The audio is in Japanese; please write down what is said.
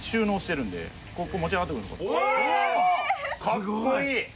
かっこいい！